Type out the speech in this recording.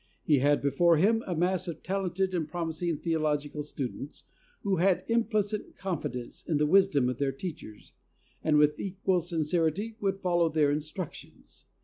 He had before him a mass of talented and promising theological students, who had implicit confidence in the wisdom of their teachers, and with equal sincerity would follow their instructions.